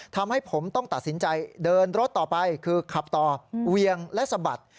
ทำให้ผมต้องตัดสินใจเดินรถต่อไปคือขับต่อเวียงและสะบัด